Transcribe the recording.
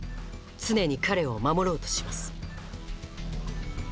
常に彼を守ろうとします